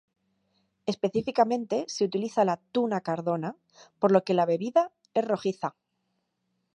Específicamente, se utiliza la "tuna cardona", por lo que la bebida es rojiza.